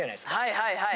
はいはい。